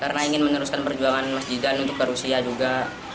karena ingin meneruskan perjuangan masjid dan untuk ke rusia juga